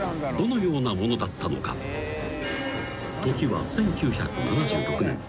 ［時は１９７６年］